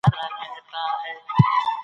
د طبیعي افتونو اغیز د کوچیانو ژوند خراب کړی.